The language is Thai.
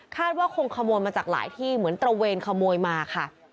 ว่าคงขโมยมาจากหลายที่เหมือนตระเวนขโมยมาค่ะ